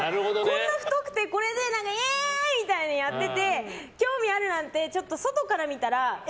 あんなに太くてあの髪型でイエーイ！ってやってて興味あるなんてちょっと外から見たらえ？